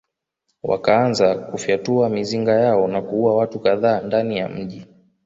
Wakaanza kufyatulia mizinga yao na kuua watu kadhaa ndani ya mji